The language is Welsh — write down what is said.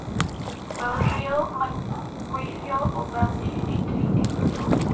Fel rheol mae'n gweithio o fewn un i dri diwrnod.